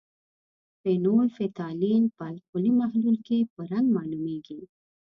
فینول فتالین په القلي محلول کې په رنګ معلومیږي.